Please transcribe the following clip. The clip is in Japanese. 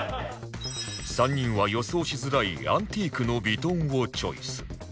３人は予想しづらいアンティークのヴィトンをチョイス